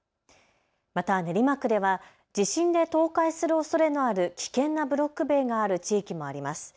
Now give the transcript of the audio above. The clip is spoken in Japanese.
また練馬区では地震で倒壊するおそれのある危険なブロック塀がある地域もあります。